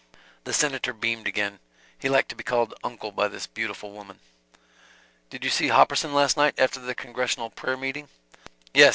The Senator beamed again. He liked to be called "uncle" by this beautiful woman. "Did you see Hopperson last night after the congressional prayer meeting?" "Yes.